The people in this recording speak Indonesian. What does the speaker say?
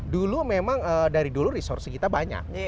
dulu memang dari dulu resource kita banyak